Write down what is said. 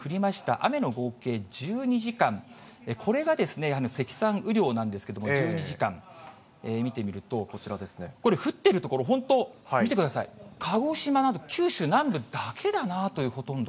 雨の合計１２時間、これが積算雨量なんですけれども、１２時間、見てみると、これ、降っている所、本当、見てください、鹿児島など九州南部だけだなという、ほとんど。